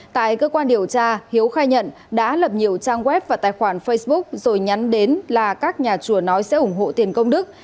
tại cơ quan điều tra hiếu khai nhận đã lập nhiều trang web và tài khoản facebook rồi nhắn đến là các nhà chùa nói sẽ ủng hộ tiền công đức